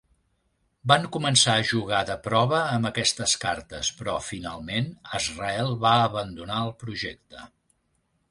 Van començar a jugar de prova amb aquestes cartes però, finalment, Azrael va abandonar el projecte.